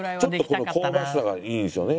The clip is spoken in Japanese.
この香ばしさがいいんですよね